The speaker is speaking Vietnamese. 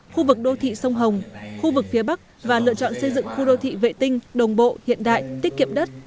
khu vực phía bắc và lựa chọn xây dựng khu đô thị vệ tinh đồng bộ hiện đại tiết kiệm đất